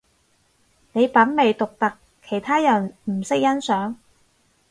你品味獨特，其他人唔識欣賞